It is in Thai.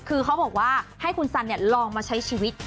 คือเขาบอกว่าให้คุณสันลองมาใช้ชีวิต